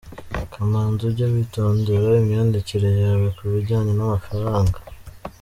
Kamanzi ujye witondera imyandikire yawe ku bijyanye n'amafaranga.